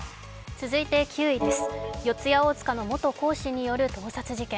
続いて９位、四谷大塚の元講師による盗撮事件。